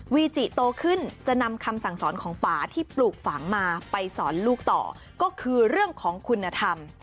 วีจิโตขึ้นจะนำคำสั่งสอนของป่าที่ปลูกฝังมาไปสอนลูกต่อก็คือเรื่องของคุณธรรม